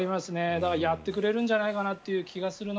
だからやってくれるんじゃないかって感じがするな。